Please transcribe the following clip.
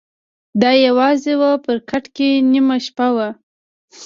د ا یوازي وه په کټ کي نیمه شپه وه